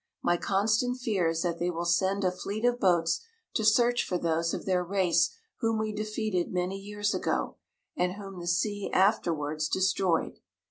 My constant fear is that they will send a fleet of boats to search for those of their race whom we defeated many years ago, and whom the sea afterwards destroyed.